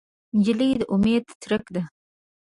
نجلۍ د امید څرک ده.